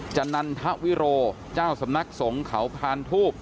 จันนันทะวิโรเจ้าสำนักสงขาวพลานทูป